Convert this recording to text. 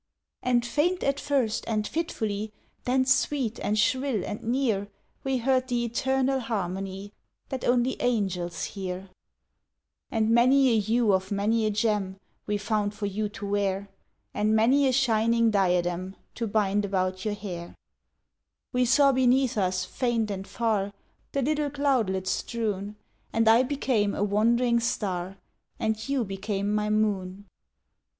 And faint at first and fitfully, Then sweet and shrill and near, We heard the eternal harmony That only angels hear; And many a hue of many a gem We found for you to wear, And many a shining diadem To bind about your hair; We saw beneath us faint and far The little cloudlets strewn, And I became a wandering star, And you became my moon.